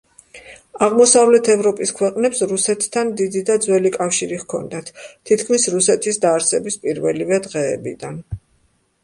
აღმოსავლეთ ევროპის ქვეყნებს რუსეთთან დიდი და ძველი კავშირი ჰქონდათ, თითქმის რუსეთის დაარსების პირველივე დღეებიდან.